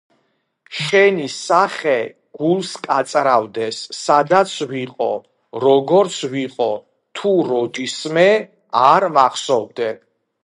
შენი სახე გულს კაწრავდეს, სადაც ვიყო, როგორც ვიყო, თუ როდისმე არ მახსოვდე